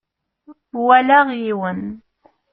Walaɣ yiwen.